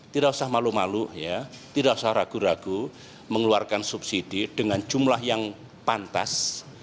tidak usah malu malu tidak usah ragu ragu mengeluarkan subsidi dengan jumlah yang pantas